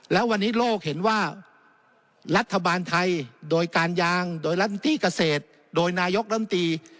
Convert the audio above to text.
แล้ววันนี้โลกเห็นว่ารัฐบาลไทยโดยการยางโดยรัฐมนตรีเกษตรโดยนายกรัมตี